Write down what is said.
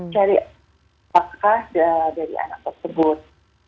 cari hak hak dari anak tersebut